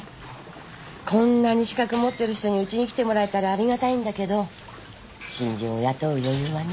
こんなに資格持ってる人にうちに来てもらえたらありがたいんだけど新人を雇う余裕はね